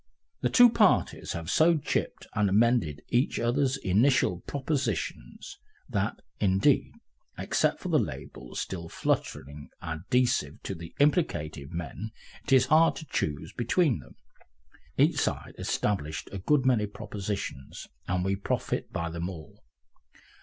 The two parties have so chipped and amended each other's initial propositions that, indeed, except for the labels still flutteringly adhesive to the implicated men, it is hard to choose between them. Each side established a good many propositions, and we profit by them all.